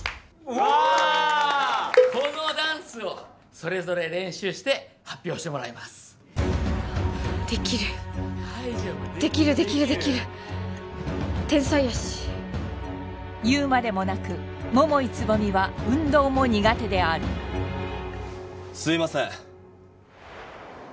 このダンスをそれぞれ練習して発表してもらいますできるできるできるできる大丈夫できるできる天才やし言うまでもなく桃井蕾未は運動も苦手であるすいません